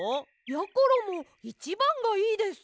やころもいちばんがいいです！